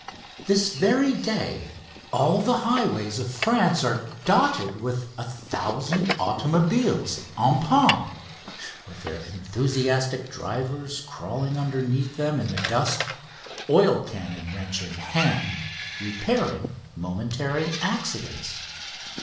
This very day all the highways of France are dotted with a thousand automobiles en panne, with their enthusiastic drivers crawling underneath them in the dust, oil can and wrench in hand, repairing momentary accidents.